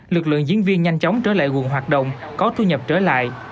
lực lượng diễn viên nhanh chóng trở lại quận hoạt động có thu nhập trở lại